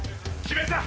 決めた‼